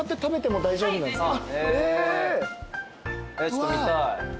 ちょっと見たい。